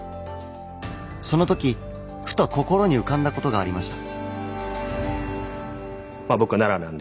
その時ふと心に浮かんだことがありました。